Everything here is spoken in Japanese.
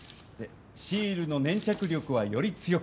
シールの粘着力はより強く！